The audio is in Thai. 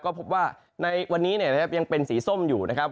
ก็พบว่าในวันนี้นะครับยังเป็นสีส้มอยู่นะครับ